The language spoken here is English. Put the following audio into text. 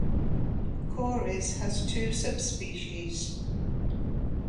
Cory's has two subspecies.